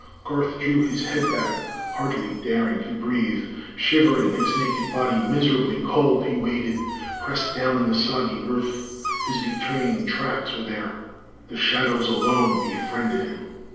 Garth drew his head back, hardly daring to breathe. Shivering, his naked body miserably cold, he waited, pressed down in the soggy earth. His betraying tracks were there; the shadows alone befriended him.